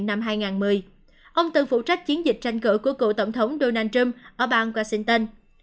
năm hai nghìn một mươi ông tự phụ trách chiến dịch tranh cử của cựu tổng thống donald trump ở bang washington